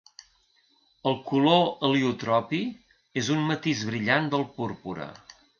El color heliotropi és un matís brillant del púrpura.